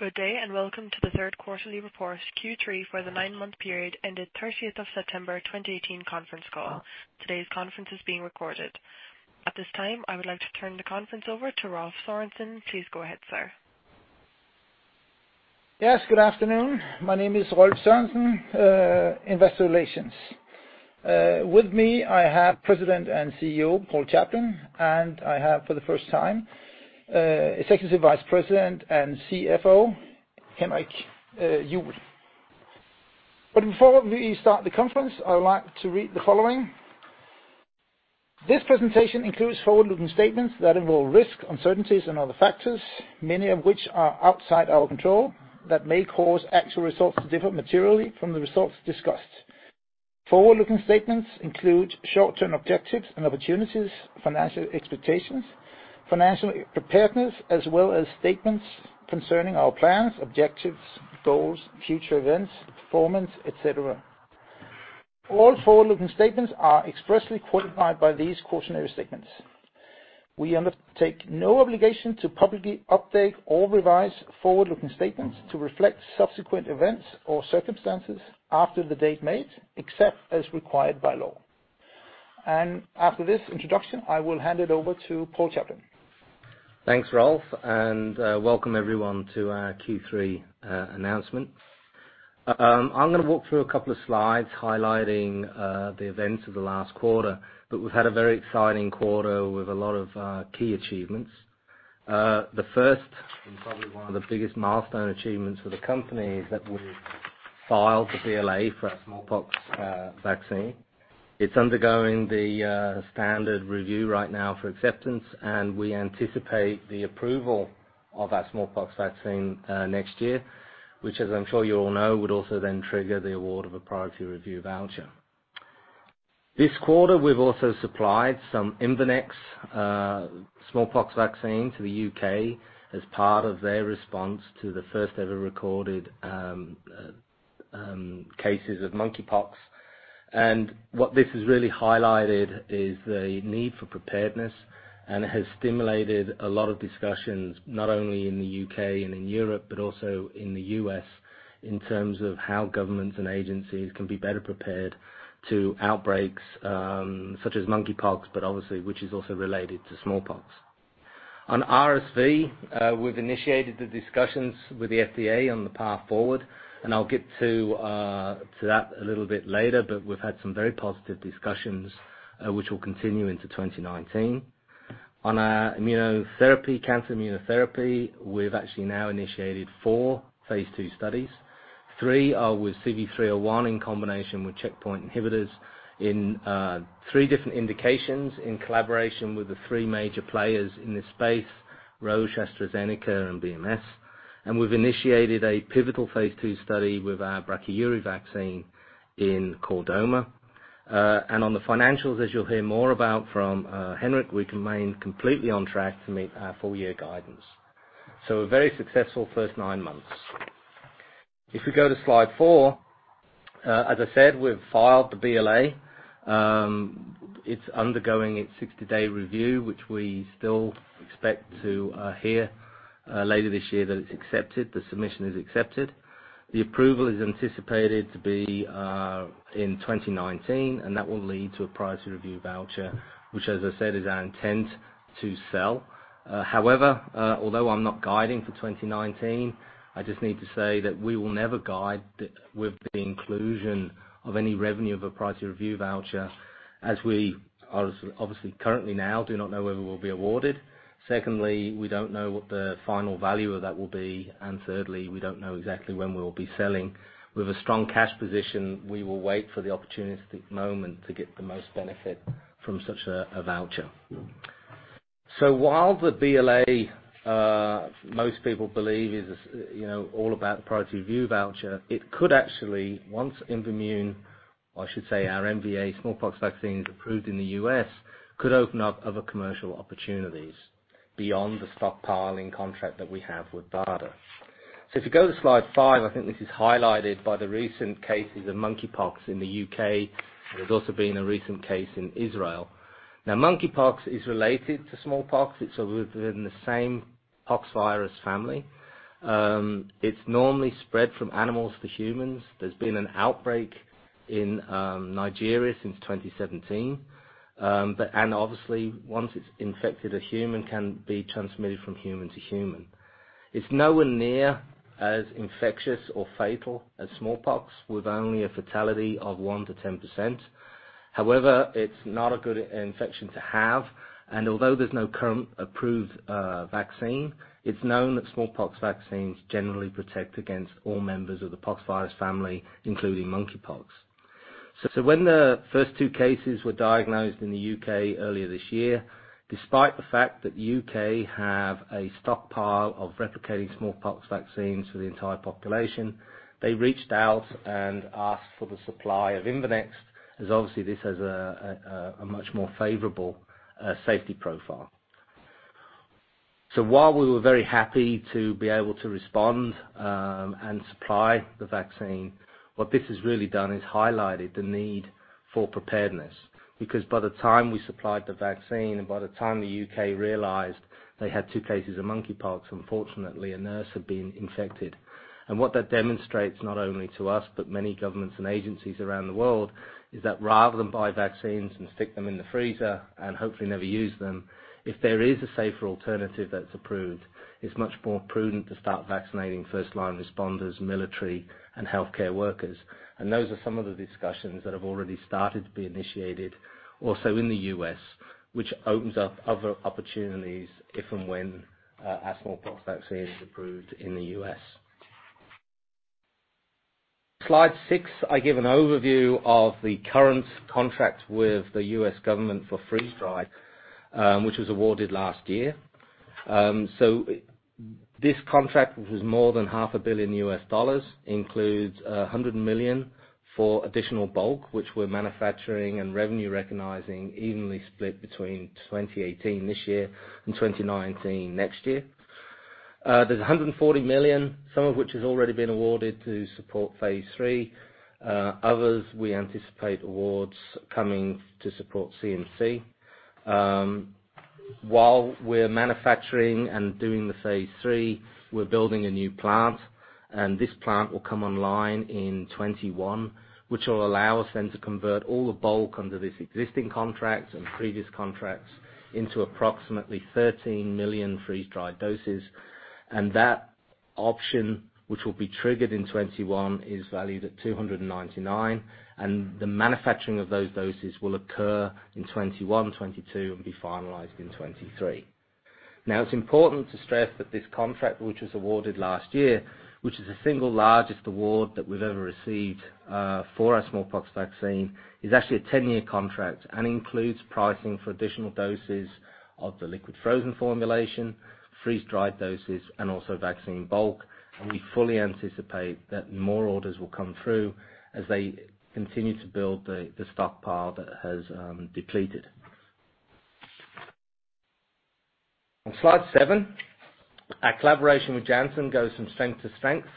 Good day, and welcome to the third quarterly report, Q3, for the nine-month period ended thirtieth of September 2018 conference call. Today's conference is being recorded. At this time, I would like to turn the conference over to Rolf Sass Sørensen. Please go ahead, sir. Yes, good afternoon. My name is Rolf Sass Sørensen, Investor Relations. With me, I have President and CEO, Paul Chaplin, and I have, for the first time, Executive Vice President and CFO, Henrik Juuel. Before we start the conference, I would like to read the following. This presentation includes forward-looking statements that involve risks, uncertainties, and other factors, many of which are outside our control, that may cause actual results to differ materially from the results discussed. Forward-looking statements include short-term objectives and opportunities, financial expectations, financial preparedness, as well as statements concerning our plans, objectives, goals, future events, performance, et cetera. All forward-looking statements are expressly qualified by these cautionary statements. We undertake no obligation to publicly update or revise forward-looking statements to reflect subsequent events or circumstances after the date made, except as required by law. After this introduction, I will hand it over to Paul Chaplin. Thanks, Rolf, and welcome everyone to our Q3 announcement. I'm gonna walk through a couple of slides highlighting the events of the last quarter, but we've had a very exciting quarter with a lot of key achievements. The first, and probably one of the biggest milestone achievements for the company, is that we filed the BLA for our smallpox vaccine. It's undergoing the standard review right now for acceptance, and we anticipate the approval of our smallpox vaccine next year, which, as I'm sure you all know, would also then trigger the award of a priority review voucher. This quarter, we've also supplied some IMVANEX smallpox vaccine to the U.K. as part of their response to the first-ever recorded cases of monkeypox. What this has really highlighted is the need for preparedness, and it has stimulated a lot of discussions, not only in the U.K. and in Europe, but also in the U.S., in terms of how governments and agencies can be better prepared to outbreaks, such as monkeypox, but obviously, which is also related to smallpox. On RSV, we've initiated the discussions with the FDA on the path forward, and I'll get to that a little bit later, but we've had some very positive discussions, which will continue into 2019. On our immunotherapy, cancer immunotherapy, we've actually now initiated four phase II studies. Three are with CV301 in combination with checkpoint inhibitors in three different indications in collaboration with the three major players in this space, Roche, AstraZeneca, and BMS. We've initiated a pivotal phase II study with our Brachyury vaccine in chordoma. On the financials, as you'll hear more about from Henrik, we remain completely on track to meet our full-year guidance. A very successful first 9 months. If we go to slide four, as I said, we've filed the BLA. It's undergoing its 60-day review, which we still expect to hear later this year, that it's accepted, the submission is accepted. The approval is anticipated to be in 2019, and that will lead to a priority review voucher, which, as I said, is our intent to sell. However, although I'm not guiding for 2019, I just need to say that we will never guide with the inclusion of any revenue of a priority review voucher, as we are obviously, currently now, do not know whether we'll be awarded. Secondly, we don't know what the final value of that will be. Thirdly, we don't know exactly when we will be selling. With a strong cash position, we will wait for the opportunistic moment to get the most benefit from such a voucher. While the BLA, most people believe is, you know, all about the priority review voucher, it could actually, once IMVAMUNE, or I should say our MVA smallpox vaccine, is approved in the U.S., could open up other commercial opportunities beyond the stockpiling contract that we have with BARDA. If you go to slide 5, I think this is highlighted by the recent cases of monkeypox in the U.K. There's also been a recent case in Israel. Monkeypox is related to smallpox. It's within the same pox virus family. It's normally spread from animals to humans. There's been an outbreak in Nigeria since 2017. And obviously, once it's infected a human, can be transmitted from human to human. It's nowhere near as infectious or fatal as smallpox, with only a fatality of 1%-10%. However, it's not a good infection to have, and although there's no current approved vaccine, it's known that smallpox vaccines generally protect against all members of the pox virus family, including monkeypox. When the first two cases were diagnosed in the U.K. earlier this year, despite the fact that the U.K. have a stockpile of replicating smallpox vaccines for the entire population, they reached out and asked for the supply of IMVANEX, as obviously, this has a much more favorable safety profile. While we were very happy to be able to respond and supply the vaccine, what this has really done is highlighted the need for preparedness. By the time we supplied the vaccine and by the time the U.K. realized they had 2 cases of monkeypox, unfortunately, a nurse had been infected. What that demonstrates, not only to us, but many governments and agencies around the world, is that rather than buy vaccines and stick them in the freezer and hopefully never use them, if there is a safer alternative that's approved, it's much more prudent to start vaccinating first-line responders, military, and healthcare workers. Those are some of the discussions that have already started to be initiated also in the U.S., which opens up other opportunities if and when our smallpox vaccine is approved in the U.S. Slide six, I give an overview of the current contract with the U.S. government for freeze-dried, which was awarded last year. This contract, which is more than half a billion US dollars, includes $100 million for additional bulk, which we're manufacturing and revenue recognizing evenly split between 2018, this year, and 2019, next year. There's 140 million, some of which has already been awarded to support Phase III. Others, we anticipate awards coming to support CMC. While we're manufacturing and doing the Phase III, we're building a new plant, and this plant will come online in 2021, which will allow us then to convert all the bulk under this existing contract and previous contracts into approximately 13 million freeze-dried doses. That option, which will be triggered in 2021, is valued at 299, and the manufacturing of those doses will occur in 2021, 2022, and be finalized in 2023. Now, it's important to stress that this contract, which was awarded last year, which is the single largest award that we've ever received, for our smallpox vaccine, is actually a 10-year contract and includes pricing for additional doses of the liquid frozen formulation, freeze-dried doses, and also vaccine bulk. We fully anticipate that more orders will come through as they continue to build the stockpile that has depleted. On slide seven, our collaboration with Janssen goes from strength to strength.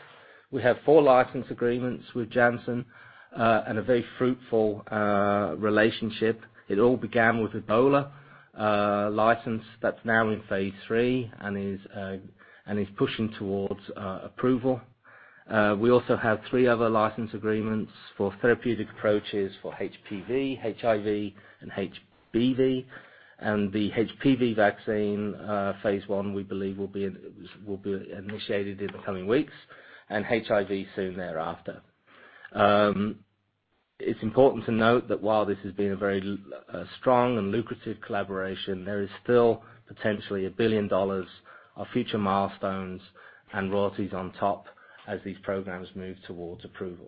We have four license agreements with Janssen, and a very fruitful relationship. It all began with Ebola license that's now in phase III and is pushing towards approval. We also have three other license agreements for therapeutic approaches for HPV, HIV, and HBV. The HPV vaccine, phase I, we believe, will be initiated in the coming weeks, and HIV soon thereafter. It's important to note that while this has been a very strong and lucrative collaboration, there is still potentially a billion dollars of future milestones and royalties on top as these programs move towards approval.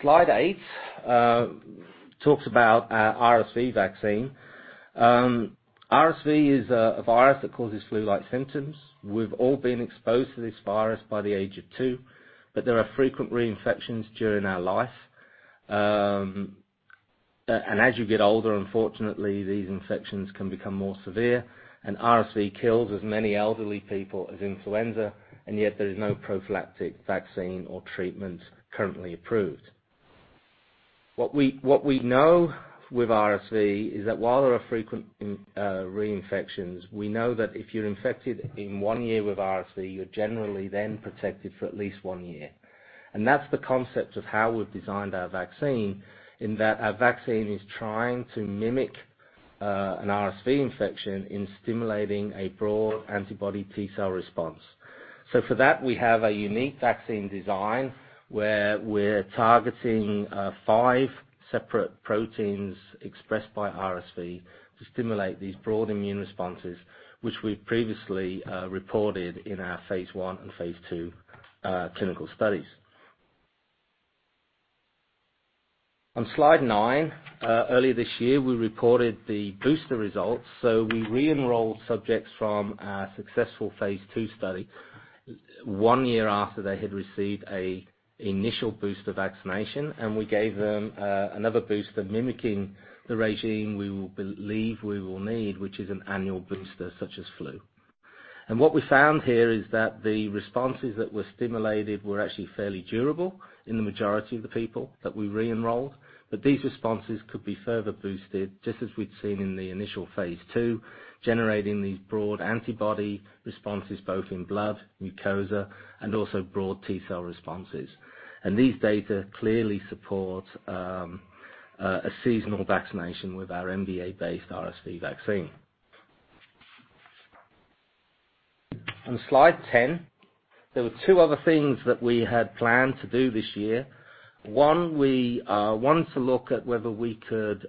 Slide eight talks about our RSV vaccine. RSV is a virus that causes flu-like symptoms. We've all been exposed to this virus by the age of two, but there are frequent reinfections during our life. As you get older, unfortunately, these infections can become more severe, and RSV kills as many elderly people as influenza, and yet there is no prophylactic vaccine or treatment currently approved. What we know with RSV is that while there are frequent reinfections, we know that if you're infected in 1 year with RSV, you're generally then protected for at least on year. That's the concept of how we've designed our vaccine, in that our vaccine is trying to mimic an RSV infection in stimulating a broad antibody T cell response. For that, we have a unique vaccine design, where we're targeting five separate proteins expressed by RSV to stimulate these broad immune responses, which we've previously reported in our phase I and phase II clinical studies. On slide nine earlier this year, we reported the booster results. We re-enrolled subjects from our successful phase II study one year after they had received a initial booster vaccination, and we gave them another booster mimicking the regime we will believe we will need, which is an annual booster, such as flu. What we found here is that the responses that were stimulated were actually fairly durable in the majority of the people that we re-enrolled, but these responses could be further boosted, just as we'd seen in the initial phase II, generating these broad antibody responses, both in blood, mucosa, and also broad T-cell responses. These data clearly support a seasonal vaccination with our MVA-based RSV vaccine. On slide 10, there were two other things that we had planned to do this year. One, we wanted to look at whether we could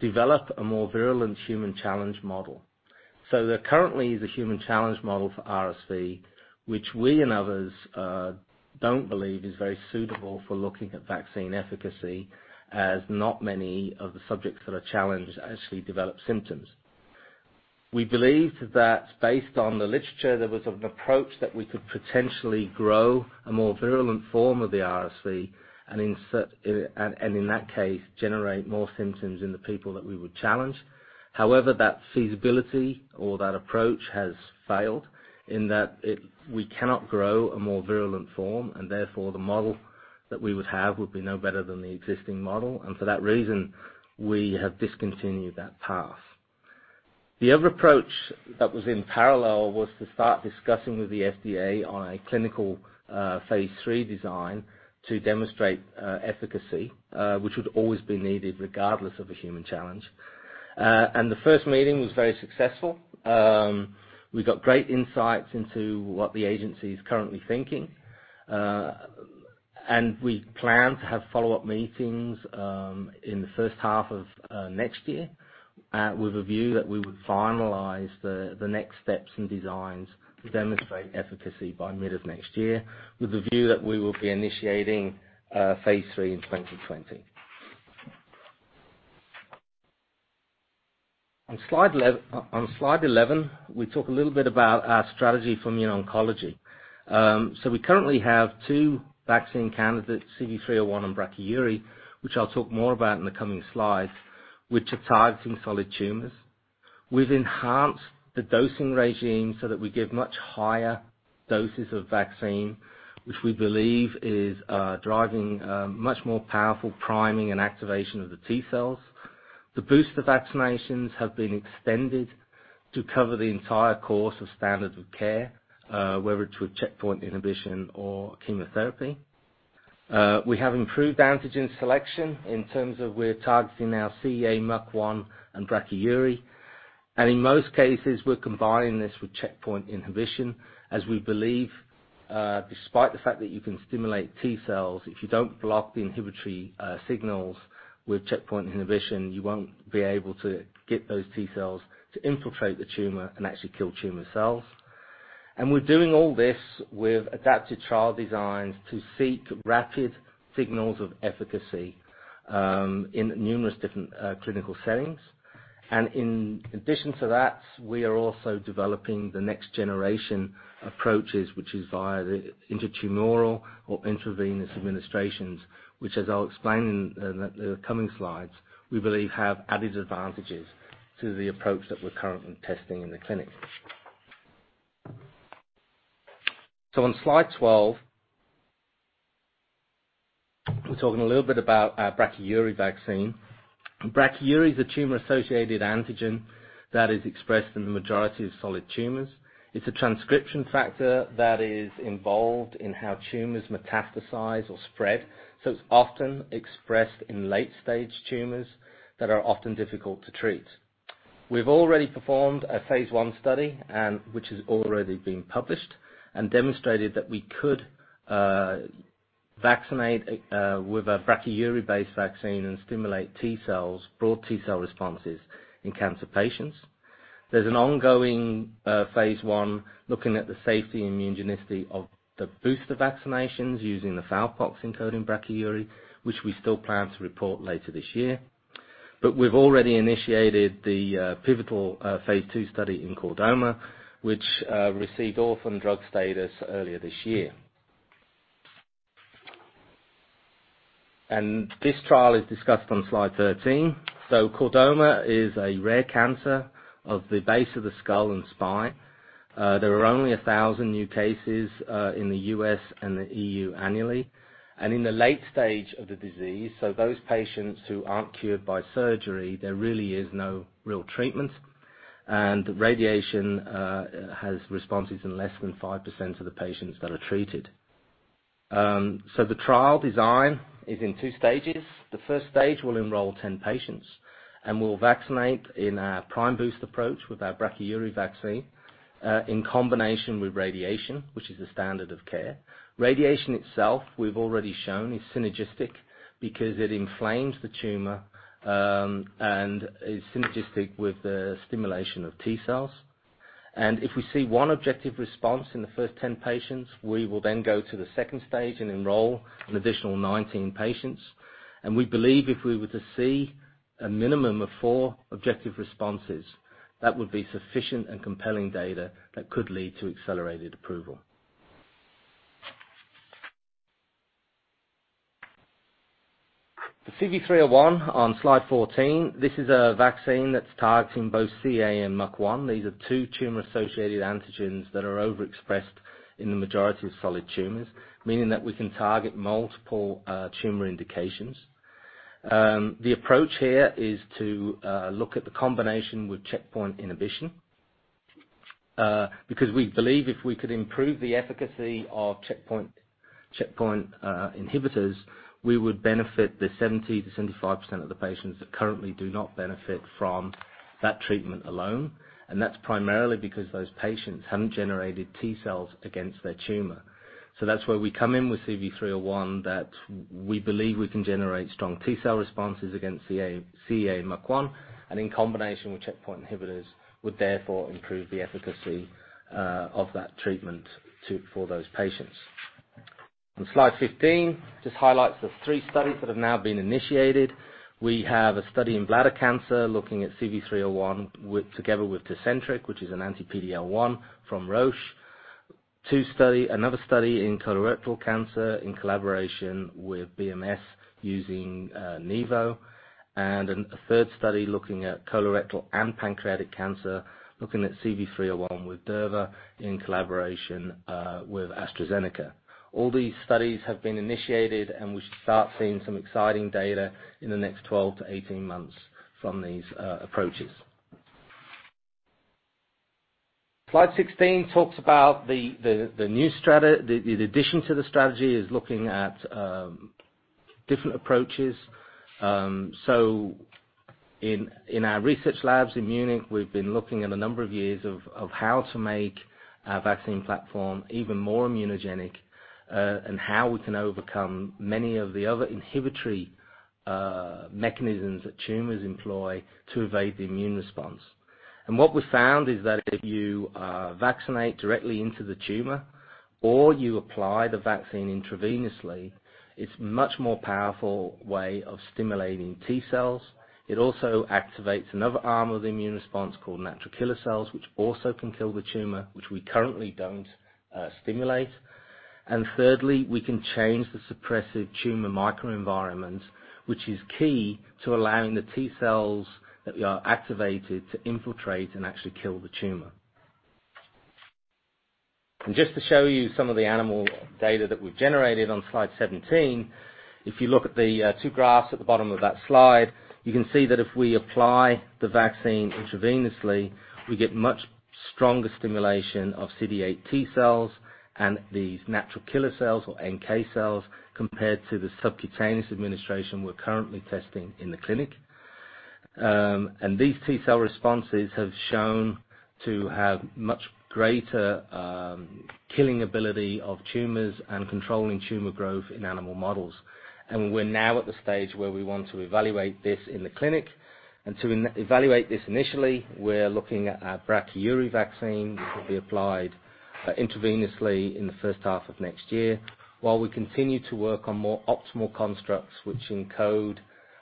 develop a more virulent human challenge model. There currently is a human challenge model for RSV, which we and others don't believe is very suitable for looking at vaccine efficacy, as not many of the subjects that are challenged actually develop symptoms. We believed that based on the literature, there was an approach that we could potentially grow a more virulent form of the RSV, and insert, and in that case, generate more symptoms in the people that we would challenge. However, that feasibility or that approach has failed in that we cannot grow a more virulent form, and therefore, the model that we would have would be no better than the existing model, and for that reason, we have discontinued that path. The other approach that was in parallel was to start discussing with the FDA on a clinical phase III design to demonstrate efficacy, which would always be needed regardless of a human challenge. The first meeting was very successful. We got great insights into what the agency is currently thinking, and we plan to have follow-up meetings in the first half of next year, with a view that we would finalize the next steps and designs to demonstrate efficacy by mid of next year, with a view that we will be initiating phase III in 2020. On slide 11, we talk a little bit about our strategy for immuno-oncology. We currently have two vaccine candidates, CV301 and Brachyury, which I'll talk more about in the coming slides, which are targeting solid tumors. We've enhanced the dosing regime so that we give much higher doses of vaccine, which we believe is driving much more powerful priming and activation of the T-cells. The booster vaccinations have been extended to cover the entire course of standard of care, whether it's with checkpoint inhibition or chemotherapy. We have improved antigen selection in terms of we're targeting now CEA, MUC1, and Brachyury. In most cases, we're combining this with checkpoint inhibition, as we believe, despite the fact that you can stimulate T-cells, if you don't block the inhibitory signals with checkpoint inhibition, you won't be able to get those T-cells to infiltrate the tumor and actually kill tumor cells. We're doing all this with adaptive trial designs to seek rapid signals of efficacy in numerous different clinical settings. In addition to that, we are also developing the next generation approaches, which is via the intratumoral or intravenous administrations, which, as I'll explain in the coming slides, we believe have added advantages to the approach that we're currently testing in the clinic. On slide 12, we're talking a little bit about our Brachyury vaccine. Brachyury is a tumor-associated antigen that is expressed in the majority of solid tumors. It's a transcription factor that is involved in how tumors metastasize or spread, it's often expressed in late-stage tumors that are often difficult to treat. We've already performed a phase I study, and which has already been published, and demonstrated that we could vaccinate with a Brachyury-based vaccine and stimulate T-cells, broad T-cell responses in cancer patients. There's an ongoing phase I looking at the safety immunogenicity of the booster vaccinations using the fowlpox-encoding Brachyury, which we still plan to report later this year. We've already initiated the pivotal phase II study in chordoma, which received orphan drug status earlier this year. This trial is discussed on slide 13. Chordoma is a rare cancer of the base of the skull and spine. There are only 1,000 new cases in the U.S. and the EU annually. In the late stage of the disease, so those patients who aren't cured by surgery, there really is no real treatment, and radiation has responses in less than 5% of the patients that are treated. The trial design is in 2 stages. The first stage will enroll 10 patients, and we'll vaccinate in a prime boost approach with our Brachyury vaccine in combination with radiation, which is the standard of care. Radiation itself, we've already shown, is synergistic because it inflames the tumor and is synergistic with the stimulation of T-cells. If we see 1 objective response in the first 10 patients, we will then go to the second stage and enroll an additional 19 patients. We believe if we were to see a minimum of four objective responses, that would be sufficient and compelling data that could lead to accelerated approval. The CV301 on slide 14, this is a vaccine that's targeting both CEA and MUC1. These are two tumor-associated antigens that are overexpressed in the majority of solid tumors, meaning that we can target multiple tumor indications. The approach here is to look at the combination with checkpoint inhibition, because we believe if we could improve the efficacy of checkpoint inhibitors, we would benefit the 70%-75% of the patients that currently do not benefit from that treatment alone. That's primarily because those patients haven't generated T-cells against their tumor. That's where we come in with CV301, that we believe we can generate strong T-cell responses against the CEA, MUC1, and in combination with checkpoint inhibitors, would therefore improve the efficacy of that treatment for those patients. On Slide 15, just highlights the three studies that have now been initiated. We have a study in bladder cancer, looking at CV301 with, together with TECENTRIQ, which is an anti-PD-L1 from Roche. another study in colorectal cancer in collaboration with BMS, using Nivo. a third study looking at colorectal and pancreatic cancer, looking at CV301 with durva in collaboration with AstraZeneca. All these studies have been initiated, we should start seeing some exciting data in the next 12-18 months from these approaches. Slide 16 talks about the addition to the strategy is looking at different approaches. In our research labs in Munich, we've been looking at a number of years of how to make our vaccine platform even more immunogenic and how we can overcome many of the other inhibitory mechanisms that tumors employ to evade the immune response. What we found is that if you vaccinate directly into the tumor or you apply the vaccine intravenously, it's much more powerful way of stimulating T-cells. It also activates another arm of the immune response called natural killer cells, which also can kill the tumor, which we currently don't stimulate. Thirdly, we can change the suppressive tumor microenvironment, which is key to allowing the T-cells that are activated to infiltrate and actually kill the tumor. Just to show you some of the animal data that we've generated on Slide 17, if you look at the two graphs at the bottom of that slide, you can see that if we apply the vaccine intravenously, we get much stronger stimulation of CD8 T-cells and these natural killer cells or NK cells, compared to the subcutaneous administration we're currently testing in the clinic. These T-cell responses have shown to have much greater killing ability of tumors and controlling tumor growth in animal models. We're now at the stage where we want to evaluate this in the clinic. To evaluate this initially, we're looking at our brachyury vaccine, which will be applied intravenously in the first half of next year, while we continue to work on more optimal constructs, which encode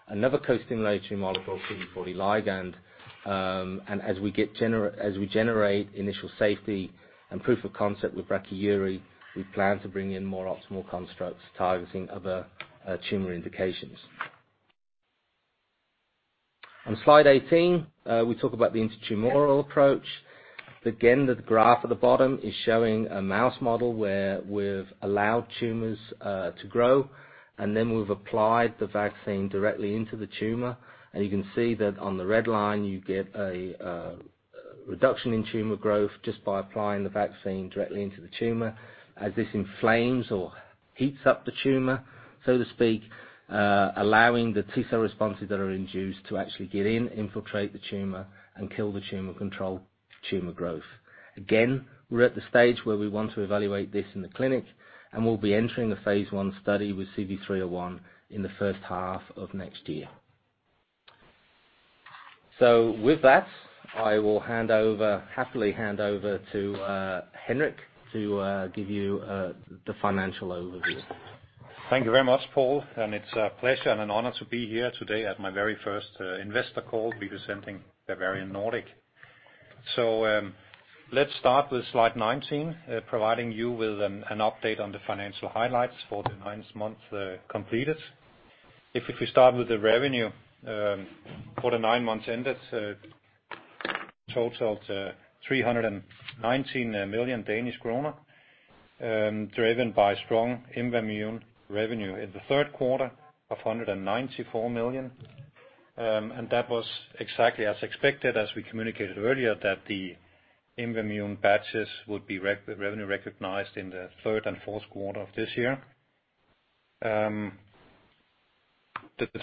another co-stimulatory molecule, CD40 ligand. As we generate initial safety and proof of concept with brachyury, we plan to bring in more optimal constructs targeting other tumor indications. On Slide 18, we talk about the intratumoral approach. Again, the graph at the bottom is showing a mouse model where we've allowed tumors to grow, and then we've applied the vaccine directly into the tumor. You can see that on the red line, you get a reduction in tumor growth just by applying the vaccine directly into the tumor. As this inflames or heats up the tumor, so to speak, allowing the T-cell responses that are induced to actually get in, infiltrate the tumor, and kill the tumor, control tumor growth. We're at the stage where we want to evaluate this in the clinic, and we'll be entering a phase I study with CV301 in the first half of next year. With that, I will happily hand over to Henrik to give you the financial overview. Thank you very much, Paul, and it's a pleasure and an honor to be here today at my very first investor call representing Bavarian Nordic. Let's start with Slide 19, providing you with an update on the financial highlights for the nine months completed. If we start with the revenue for the nine months ended, totaled DKK 319 million, driven by strong IMVAMUNE revenue in the third quarter of 194 million. That was exactly as expected, as we communicated earlier, that the IMVAMUNE batches would be revenue recognized in the third and fourth quarter of this year. The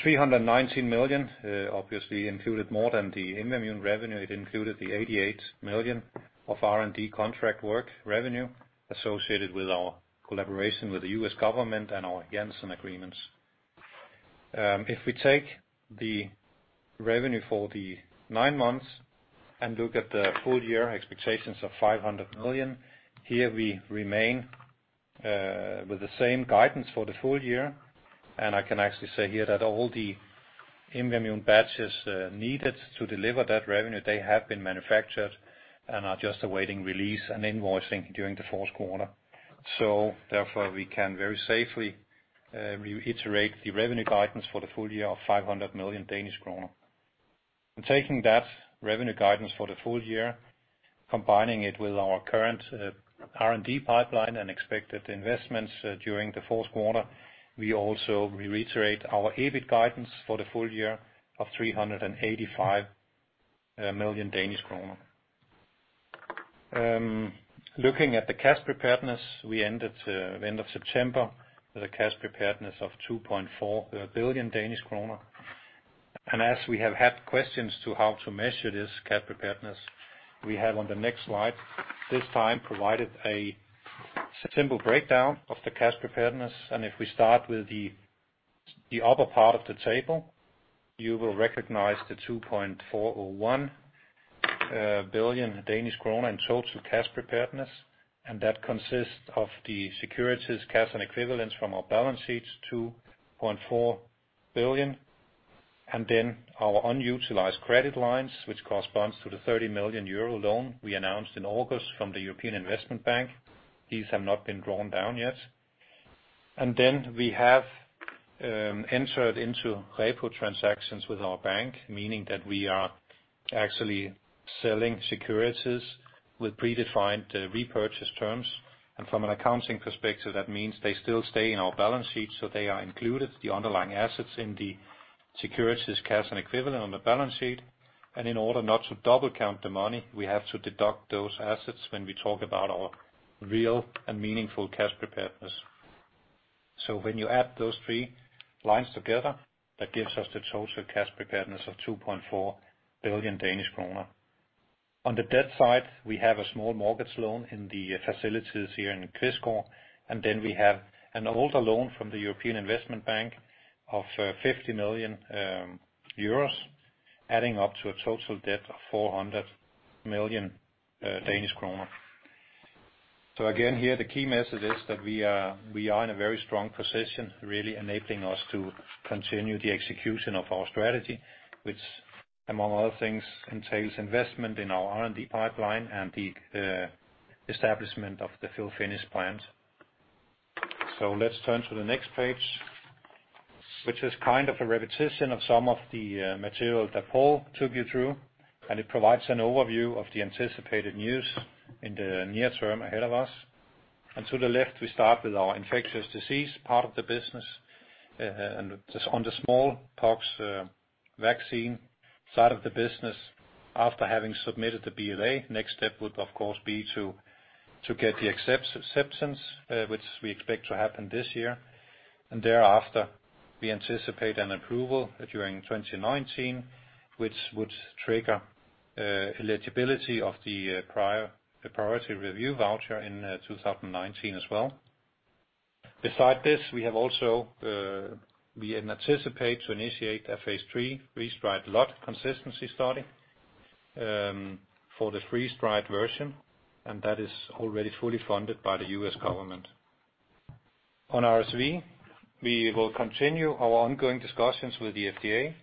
319 million obviously included more than the IMVAMUNE revenue. It included 88 million of R&D contract work revenue associated with our collaboration with the U.S. government and our Janssen agreements. If we take the revenue for the nine months and look at the full year expectations of 500 million, here we remain with the same guidance for the full year. I can actually say here that all the IMVAMUNE batches needed to deliver that revenue, they have been manufactured and are just awaiting release and invoicing during the fourth quarter. Therefore, we can very safely reiterate the revenue guidance for the full year of 500 million Danish kroner. In taking that revenue guidance for the full year, combining it with our current R&D pipeline and expected investments during the fourth quarter, we also reiterate our EBIT guidance for the full year of 385 million Danish kroner. Looking at the cash preparedness, we ended end of September with a cash preparedness of 2.4 billion Danish kroner. As we have had questions to how to measure this cash preparedness, we have on the next slide, this time provided a simple breakdown of the cash preparedness. If we start with the upper part of the table, you will recognize the 2.401. billion Danish kroner in total cash preparedness, that consists of the securities, cash, and equivalents from our balance sheets, 2.4 billion, and our unutilized credit lines, which corresponds to the 30 million euro loan we announced in August from the European Investment Bank. These have not been drawn down yet. We have entered into repo transactions with our bank, meaning that we are actually selling securities with predefined repurchase terms. From an accounting perspective, that means they still stay in our balance sheet, so they are included, the underlying assets in the securities, cash, and equivalent on the balance sheet. In order not to double count the money, we have to deduct those assets when we talk about our real and meaningful cash preparedness. When you add those three lines together, that gives us the total cash preparedness of 2.4 billion Danish kroner. On the debt side, we have a small mortgage loan in the facilities here in Kvistgård, and then we have an older loan from the European Investment Bank of 50 million euros, adding up to a total debt of 400 million Danish kroner. Again, here, the key message is that we are in a very strong position, really enabling us to continue the execution of our strategy, which, among other things, entails investment in our R&D pipeline and the establishment of the fill-finish plant. Let's turn to the next page, which is kind of a repetition of some of the material that Paul took you through, and it provides an overview of the anticipated news in the near term ahead of us. To the left, we start with our infectious disease part of the business, and just on the smallpox vaccine side of the business. After having submitted the BLA, next step would, of course, be to get the acceptance, which we expect to happen this year. Thereafter, we anticipate an approval during 2019, which would trigger eligibility of the priority review voucher in 2019 as well. Besides this, we have also, we anticipate to initiate a Phase III freeze-dried lot consistency study for the freeze-dried version, and that is already fully funded by the U.S. government. On RSV, we will continue our ongoing discussions with the FDA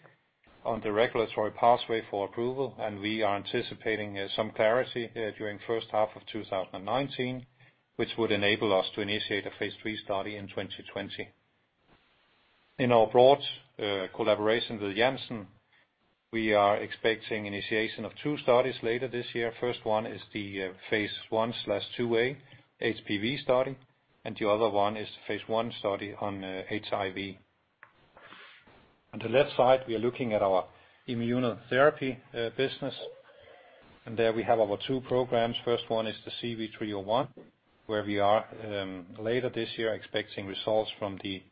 on the regulatory pathway for approval, and we are anticipating some clarity during first half of 2019, which would enable us to initiate a Phase III study in 2020. In our broad collaboration with Janssen, we are expecting initiation of two studies later this year. First one is the Phase I/IIa HPV study, and the other one is the Phase I study on HIV. On the left side, we are looking at our immunotherapy business, and there we have our two programs. First one is the CV301, where we are later this year, expecting results from the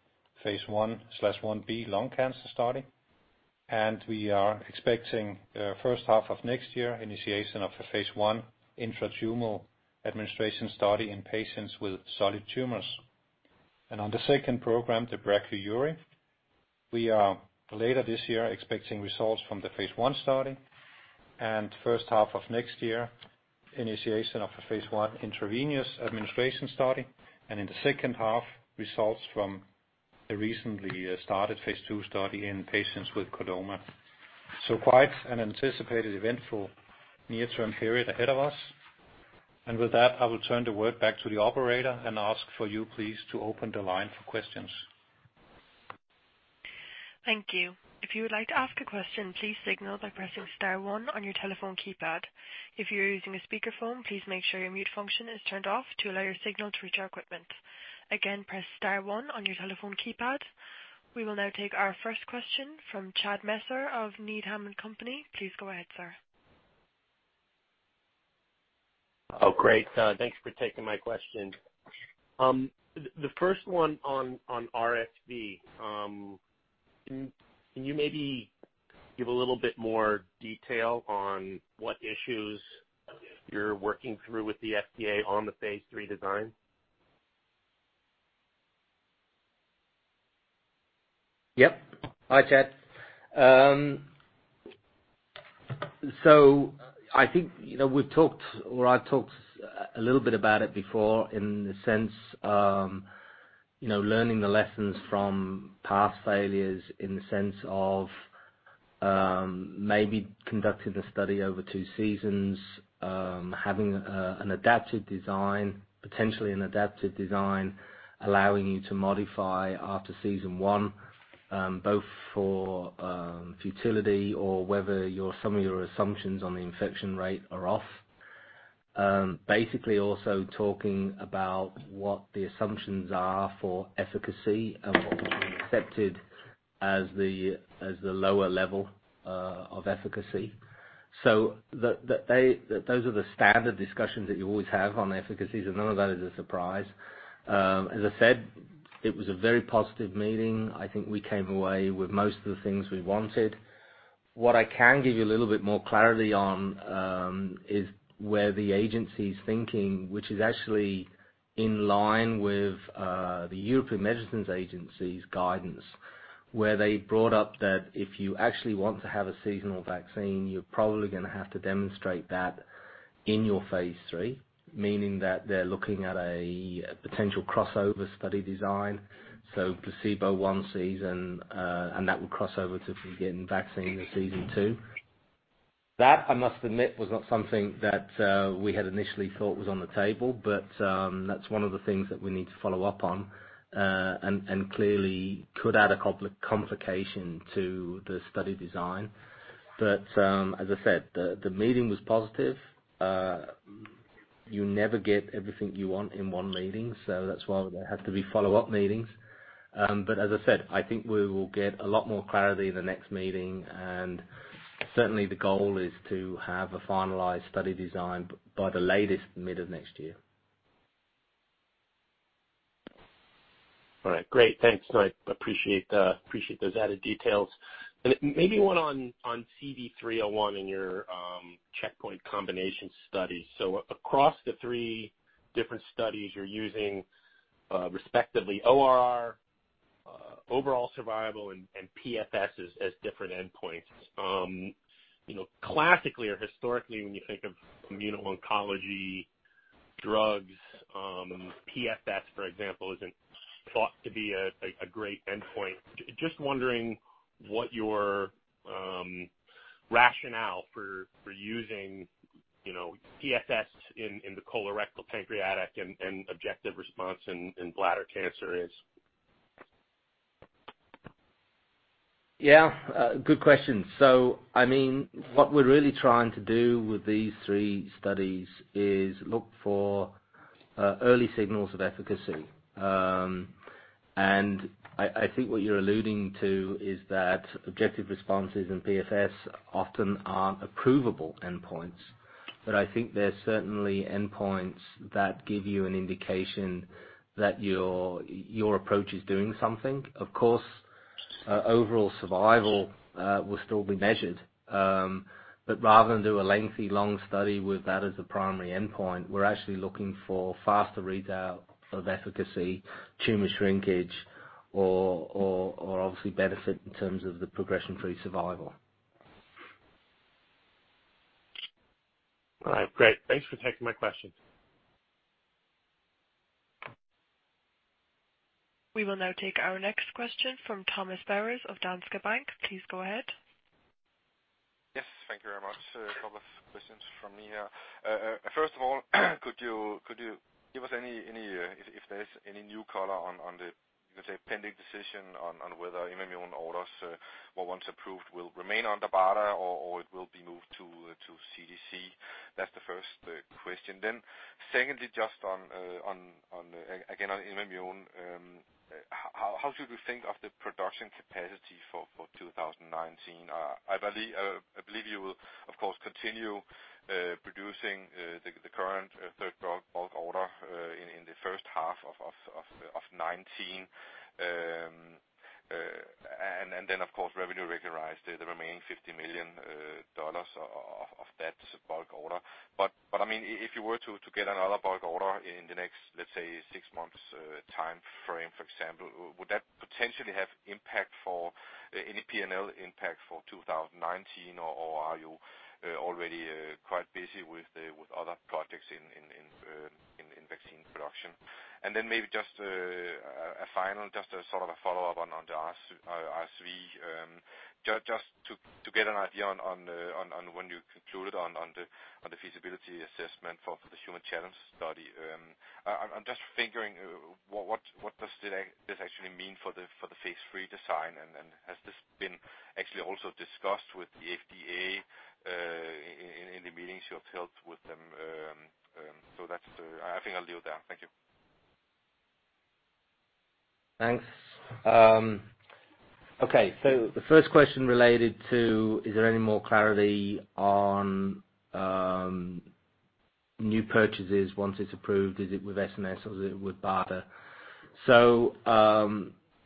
Phase I/IB lung cancer study. We are expecting first half of next year, initiation of a Phase I intratumoral administration study in patients with solid tumors. On the second program, the BN-Brachyury, we are later this year, expecting results from the Phase I study, and first half of next year, initiation of a Phase I intravenous administration study, and in the second half, results from the recently started Phase II study in patients with chordoma. Quite an anticipated eventful near-term period ahead of us. With that, I will turn the word back to the operator and ask for you, please, to open the line for questions. Thank you. If you would like to ask a question, please signal by pressing star one on your telephone keypad. If you're using a speakerphone, please make sure your mute function is turned off to allow your signal to reach our equipment. Again, press star one on your telephone keypad. We will now take our first question from Chad Messer of Needham & Company. Please go ahead, sir. Great. Thanks for taking my question. The first one on RSV. Can you maybe give a little bit more detail on what issues you're working through with the FDA on the phase III design? Yep. Hi, Chad. I think, you know, we've talked, or I've talked a little bit about it before in the sense, you know, learning the lessons from past failures in the sense of, maybe conducting the study over two seasons, having an adaptive design, potentially an adaptive design, allowing you to modify after season one, both for futility or whether your, some of your assumptions on the infection rate are off. Basically, also talking about what the assumptions are for efficacy and what would be accepted as the lower level of efficacy. They, those are the standard discussions that you always have on efficacy, so none of that is a surprise. As I said, it was a very positive meeting. I think we came away with most of the things we wanted. What I can give you a little bit more clarity on, is where the agency's thinking, which is actually in line with the European Medicines Agency's guidance, where they brought up that if you actually want to have a seasonal vaccine, you're probably gonna have to demonstrate that.... in your phase III, meaning that they're looking at a potential crossover study design, so placebo one season, and that will cross over to getting vaccine in season two. That, I must admit, was not something that we had initially thought was on the table. That's one of the things that we need to follow up on, and clearly could add a complication to the study design. As I said, the meeting was positive. You never get everything you want in one meeting, so that's why there has to be follow-up meetings. As I said, I think we will get a lot more clarity in the next meeting, and certainly the goal is to have a finalized study design by the latest mid of next year. All right, great. Thanks, Mike. Appreciate those added details. Maybe one on CV301 in your checkpoint combination study. Across the three different studies you're using, respectively, ORR, overall survival, and PFS as different endpoints. You know, classically or historically, when you think of immuno-oncology drugs, PFS, for example, isn't thought to be a great endpoint. Just wondering what your rationale for using, you know, PFS in the colorectal pancreatic and objective response in bladder cancer is? Yeah, good question. I mean, what we're really trying to do with these three studies is look for early signals of efficacy. I think what you're alluding to is that objective responses in PFS often aren't approvable endpoints, but I think they're certainly endpoints that give you an indication that your approach is doing something. Of course, overall survival will still be measured, but rather than do a lengthy, long study with that as a primary endpoint, we're actually looking for faster readout of efficacy, tumor shrinkage, or obviously benefit in terms of the progression-free survival. All right, great. Thanks for taking my questions. We will now take our next question from Thomas Bowers of Danske Bank. Please go ahead. Yes, thank you very much. A couple of questions from me here. First of all, could you give us any if there's any new color on the let's say, pending decision on whether IMVAMUNE orders, well, once approved, will remain under BARDA or it will be moved to CDC? That's the first question. Secondly, just on again on IMVAMUNE, how should we think of the production capacity for 2019? I believe you will, of course, continue producing the current third bulk order in the first half of 2019. And then, of course, revenue recognize the remaining $50 million of that bulk order. I mean, if you were to get another bulk order in the next, let's say, six months, time frame, for example, would that potentially have impact for any P&L impact for 2019, or are you already quite busy with other projects in vaccine production? Maybe just a final, just a sort of a follow-up on the RSV, just to get an idea on when you concluded on the feasibility assessment for the human challenge study. I'm just figuring, what does this actually mean for the Phase III design? Has this been actually also discussed with the FDA in the meetings you have held with them? That's. I think I'll leave it there. Thank you. Thanks. Okay, so the first question related to: Is there any more clarity on new purchases once it's approved, is it with SNS or is it with BARDA?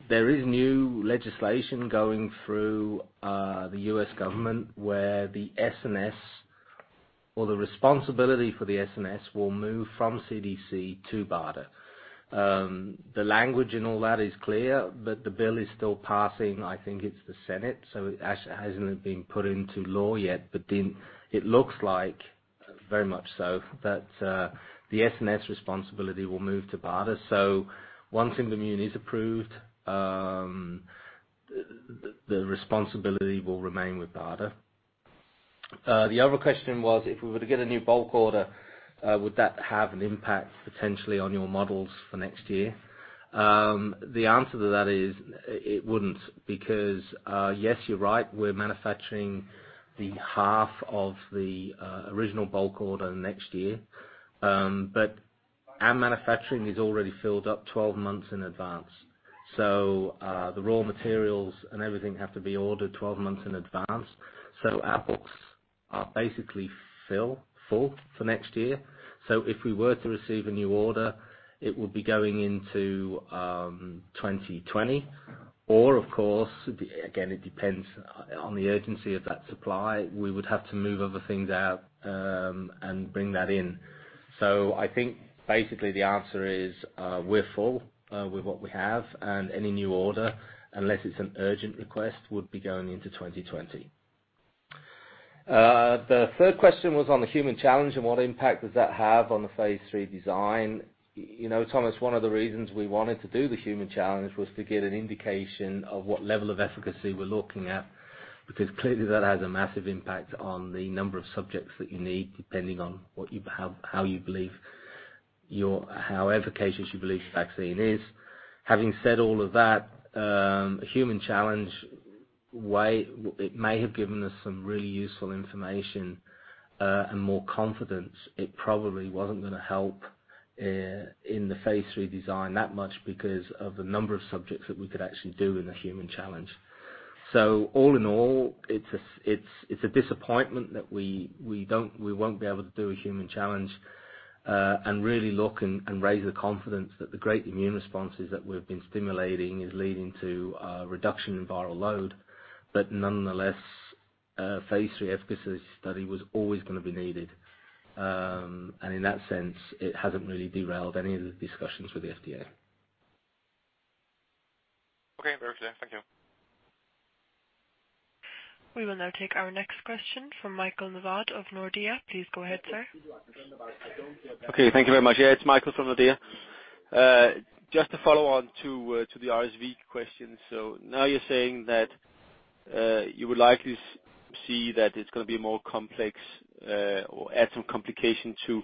There is new legislation going through the U.S. government, where the SNS, or the responsibility for the SNS, will move from CDC to BARDA. The language and all that is clear, but the bill is still passing, I think it's the Senate, so it actually hasn't been put into law yet. It looks like, very much so, that the SNS responsibility will move to BARDA. Once IMVAMUNE is approved, the responsibility will remain with BARDA. The other question was, if we were to get a new bulk order, would that have an impact potentially on your models for next year? The answer to that is, it wouldn't, because, yes, you're right, we're manufacturing the half of the original bulk order next year. Our manufacturing is already filled up 12 months in advance. The raw materials and everything have to be ordered 12 months in advance. Our books are basically full for next year. If we were to receive a new order, it would be going into 2020. Of course, again, it depends on the urgency of that supply. We would have to move other things out and bring that in. I think basically the answer is, we're full with what we have, and any new order, unless it's an urgent request, would be going into 2020. The third question was on the human challenge and what impact does that have on the phase III design? You know, Thomas, one of the reasons we wanted to do the human challenge was to get an indication of what level of efficacy we're looking at, because clearly that has a massive impact on the number of subjects that you need, depending on what you, how efficacious you believe the vaccine is. Having said all of that, human challenge way, it may have given us some really useful information and more confidence. It probably wasn't gonna help in the phase III design that much because of the number of subjects that we could actually do in the human challenge. All in all, it's a disappointment that we don't, we won't be able to do a human challenge and really look and raise the confidence that the great immune responses that we've been stimulating is leading to reduction in viral load. Nonetheless, phase III efficacy study was always gonna be needed. In that sense, it hasn't really derailed any of the discussions with the FDA. Okay. Very clear. Thank you. We will now take our next question from Michael Novod of Nordea. Please go ahead, sir. Okay. Thank you very much. Yeah, it's Michael from Nordea. Just to follow on to the RSV question. Now you're saying that you would likely see that it's gonna be more complex, or add some complication to,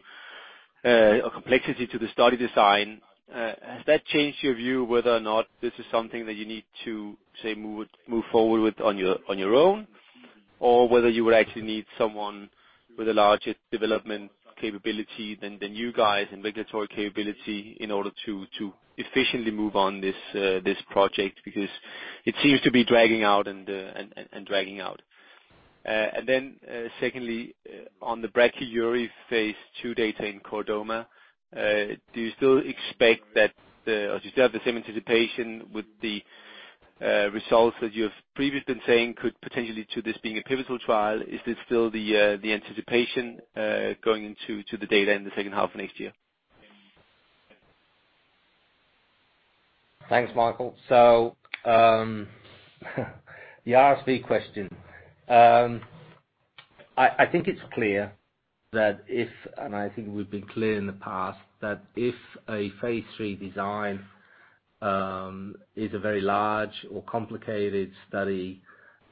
or complexity to the study design. Has that changed your view whether or not this is something that you need to, say, move forward with on your own? Or whether you would actually need someone with a larger development capability than you guys and regulatory capability in order to efficiently move on this project? Because it seems to be dragging out and dragging out. Then, secondly, on the brachyury phase II data in chordoma, do you still expect that the...? Do you still have the same anticipation with the results that you have previously been saying could potentially to this being a pivotal trial, is this still the the anticipation going into, to the data in the second half of next year? Thanks, Michael. The RSV question. I think it's clear that if, and I think we've been clear in the past, that if a phase III design is a very large or complicated study,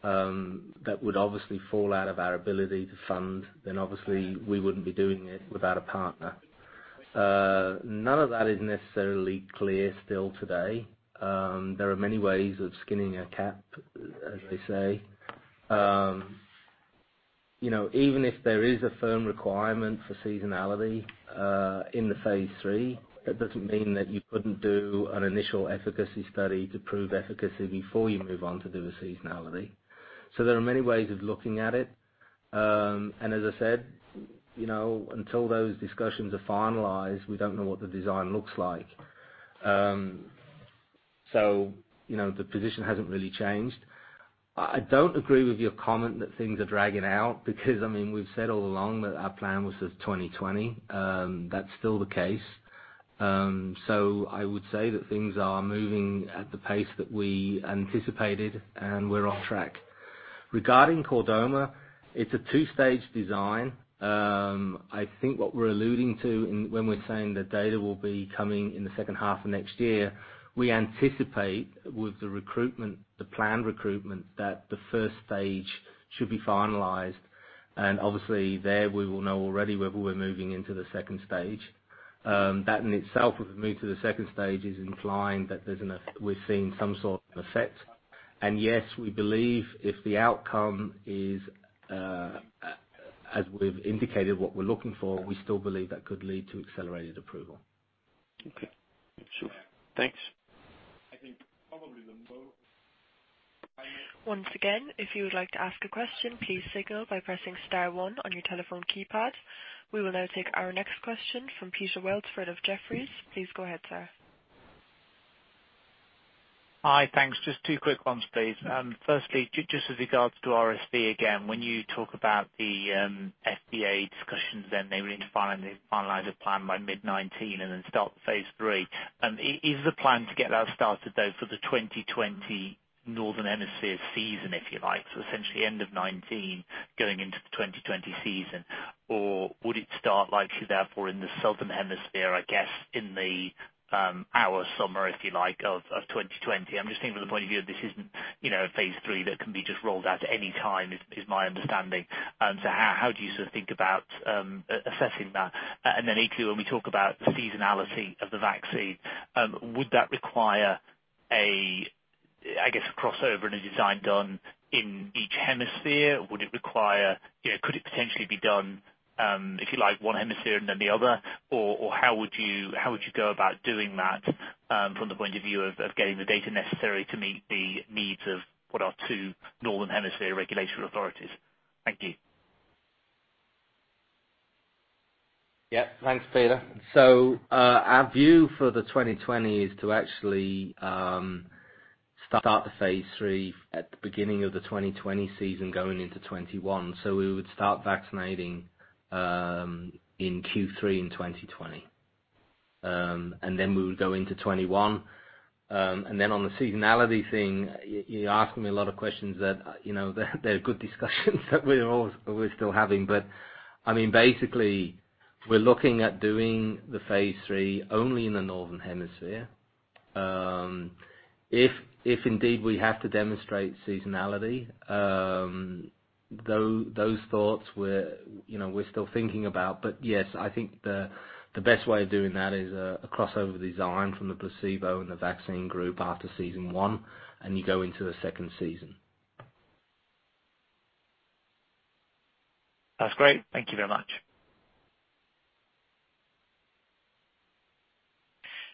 that would obviously fall out of our ability to fund, obviously we wouldn't be doing it without a partner. None of that is necessarily clear still today. There are many ways of skinning a cat, as they say. You know, even if there is a firm requirement for seasonality in the phase III, that doesn't mean that you couldn't do an initial efficacy study to prove efficacy before you move on to do the seasonality. There are many ways of looking at it. As I said, you know, until those discussions are finalized, we don't know what the design looks like. You know, the position hasn't really changed. I don't agree with your comment that things are dragging out, because, I mean, we've said all along that our plan was to 2020. That's still the case. I would say that things are moving at the pace that we anticipated, and we're on track. Regarding chordoma, it's a two-stage design. I think what we're alluding to in, when we're saying the data will be coming in the second half of next year, we anticipate with the recruitment, the planned recruitment, that the first stage should be finalized. Obviously there, we will know already whether we're moving into the second stage. That in itself, would move to the second stage, is inclined that we're seeing some sort of effect. Yes, we believe if the outcome is as we've indicated, what we're looking for, we still believe that could lead to accelerated approval. Okay. Sure. Thanks. I think probably then, Bo. Once again, if you would like to ask a question, please signal by pressing star one on your telephone keypad. We will now take our next question from Peter Welford of Jefferies. Please go ahead, sir. Hi, thanks. Just two quick ones, please. firstly, just with regards to RSV again, when you talk about the FDA discussions, they were in to finally finalize a plan by mid-2019 and then start the phase three. Is the plan to get that started though, for the 2020 northern hemisphere season, if you like? Essentially end of 2019 going into the 2020 season, or would it start likely therefore, in the southern hemisphere, I guess, in the, our summer, if you like, of 2020. I'm just thinking from the point of view that this isn't, you know, a phase three that can be just rolled out at any time, is my understanding. How do you sort of think about assessing that? Equally, when we talk about the seasonality of the vaccine, would that require a, I guess, a crossover and a design done in each hemisphere? You know, could it potentially be done, if you like, one hemisphere and then the other? How would you go about doing that, from the point of view of getting the data necessary to meet the needs of what are two northern hemisphere regulatory authorities? Thank you. Thanks, Peter. Our view for the 2020 is to actually start the phase III at the beginning of the 2020 season, going into 2021. We would start vaccinating in Q3 in 2020. Then we would go into 2021. Then on the seasonality thing, you're asking me a lot of questions that, you know, they're good discussions that we're still having. I mean, basically, we're looking at doing the phase III only in the Northern Hemisphere. If indeed we have to demonstrate seasonality, those thoughts we're, you know, we're still thinking about, but yes, I think the best way of doing that is a crossover design from the placebo and the vaccine group after season one, and you go into the second season. That's great. Thank you very much.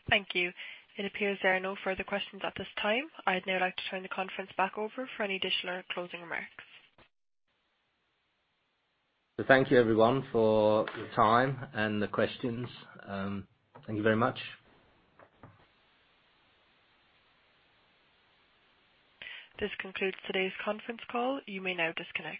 Thank you. It appears there are no further questions at this time. I'd now like to turn the conference back over for any additional or closing remarks. Thank you, everyone, for your time and the questions. Thank you very much. This concludes today's conference call. You may now disconnect.